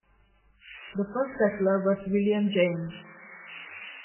The first settler was William Jayne.